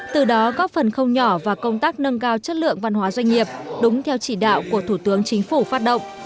từ đó góp phần không nhỏ vào công tác nâng cao chất lượng văn hóa doanh nghiệp đúng theo chỉ đạo của thủ tướng chính phủ phát động